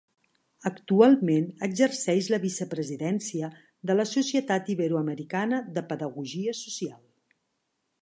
Actualment exerceix la vicepresidència de la Societat Iberoamericana de Pedagogia Social.